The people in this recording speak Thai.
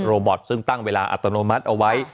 บอตซึ่งตั้งเวลาอัตโนมัติเอาไว้